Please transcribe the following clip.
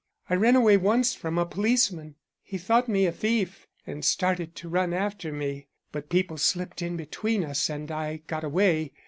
I ran away once from a policeman. He thought me a thief, and started to run after me. But people slipped in between us and I got away.